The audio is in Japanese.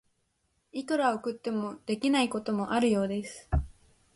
いくら送っても、できないこともあるようです。